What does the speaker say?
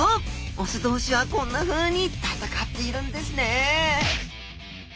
雄同士はこんなふうに戦っているんですね